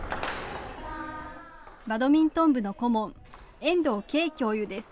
バドミントン部の顧問、遠藤桂教諭です。